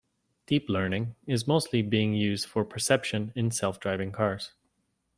Deep Learning is mostly being used for perception in self driving cars.